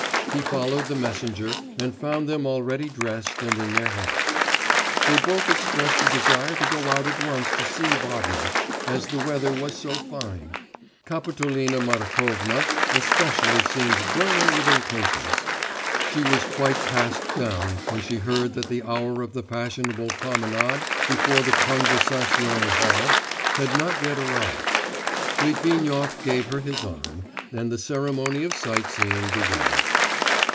He followed the messenger, and found them already dressed and in their hats. They both expressed a desire to go out at once to see Baden, as the weather was so fine. Kapitolina Markovna especially seemed burning with impatience; she was quite cast down when she heard that the hour of the fashionable promenade before the Konversation Hall had not yet arrived. Litvinov gave her his arm, and the ceremony of sight seeing began.